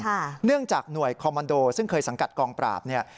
เนื่องจากหน่วยคอมมันโดซึ่งเคยสังกัดกองปราบเนี่ย